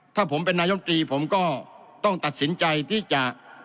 ถ้าผมเป็นนายมตรีผมก็ต้องตัดสินใจที่จะ